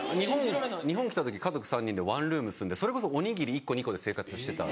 日本来た時家族３人でワンルーム住んでそれこそおにぎり１個２個で生活してた。